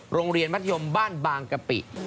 โรงเรียนมัธยมบ้านบางกะปิ